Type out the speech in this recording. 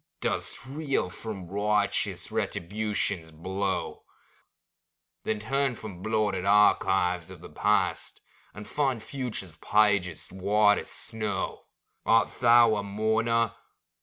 Dost reel from righteous Retribution's blow? Then turn from blotted archives of the past, And find the future's pages white as snow. Art thou a mourner?